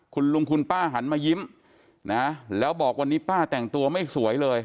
คุณลุงคุณป้าหันมายิ้มนะแล้วบอกวันนี้ป้าแต่งตัวไม่สวยเลย